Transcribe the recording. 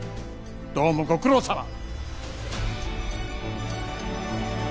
どうもご苦労さま。